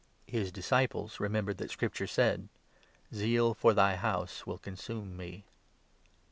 His disciples remembered that Scripture said — 17 ' Zeal for thy House will consume me.'